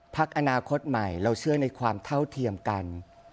พักอนาคตใหม่เราเชื่อในความเท่าเทียมกัน